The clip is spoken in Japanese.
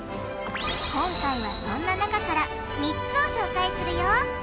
今回はそんな中から３つを紹介するよ